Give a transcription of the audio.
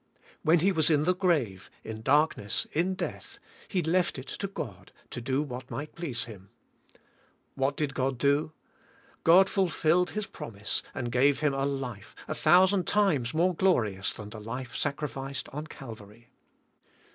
When He was in the grare, in dark ness, in death, He left it to God, to do what mig ht please Him. What did God do? God fulfilled His promise, and gave Him a life a thousand times more g lorious than that life sacrificed on Calvary.